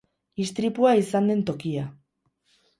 Istripua izan den tokia.